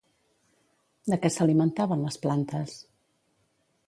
De què s'alimentaven les plantes?